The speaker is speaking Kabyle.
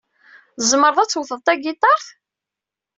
Tzemreḍ ad tewteḍ tagiṭart?